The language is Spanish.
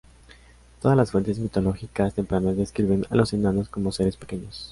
Todas las fuentes mitológicas tempranas describen a los enanos como seres pequeños.